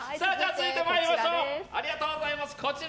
続いて参りましょう。